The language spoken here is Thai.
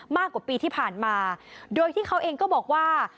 มากกว่าปีที่ผ่านมาโดยที่เขาเองก็บอกว่า